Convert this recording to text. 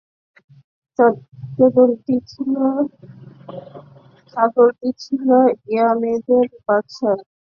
চাদরটি ছিল ইয়ামেনের বাদশাহ যি-ইয়াযানের।